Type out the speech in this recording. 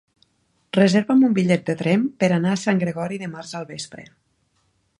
Reserva'm un bitllet de tren per anar a Sant Gregori dimarts al vespre.